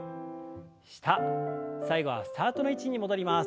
下最後はスタートの位置に戻ります。